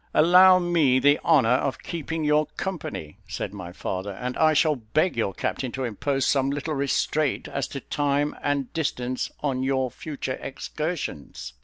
"Allow me the honour of keeping your company," said my father; "and I shall beg your captain to impose some little restraint as to time and distance on your future excursions."